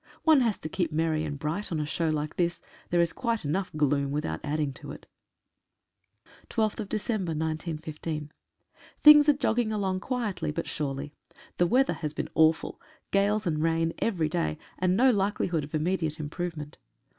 ... One has to keep merry and bright on a show like this — there is quite enough gloom without adding to it. HINGS are jogging along quietly, but surely. The weather has been awful — gales, and rain every day, and no likelihood of immediate improvement.